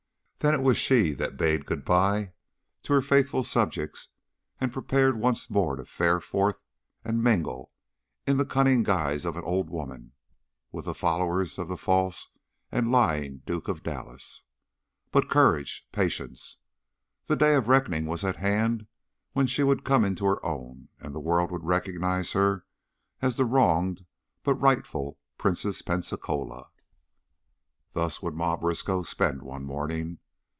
Then it was that she bade good by to her faithful subjects and prepared once more to fare forth and mingle, in the cunning guise of an old woman, with the followers of the false and lying Duke of Dallas. But courage! Patience! The day of reckoning was at hand when she would come into her own and the world would recognize her as the wronged but rightful Princess Pensacola. Thus would Ma Briskow spend one morning.